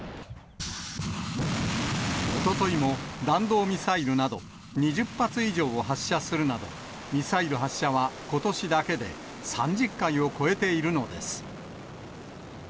おとといも弾道ミサイルなど、２０発以上を発射するなど、ミサイル発射はことしだけで３０回を超えているのです。